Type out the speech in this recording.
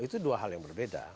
itu dua hal yang berbeda